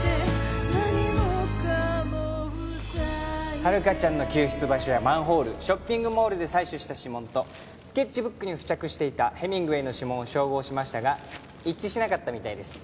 遥香ちゃんの救出場所やマンホールショッピングモールで採取した指紋とスケッチブックに付着していたヘミングウェイの指紋を照合しましたが一致しなかったみたいです。